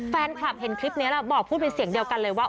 แฟนคลับเห็นคลิปนี้แล้วบอกพูดเป็นเสียงเดียวกันเลยว่า